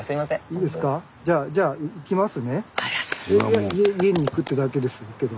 いや家に行くってだけですけど。